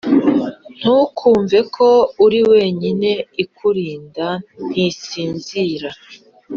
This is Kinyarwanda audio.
Ntukumveko uriwenyine ikurinda ntisinzira